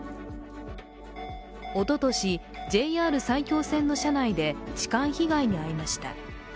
おととし、ＪＲ埼京線の車内で痴漢被害に遭いました。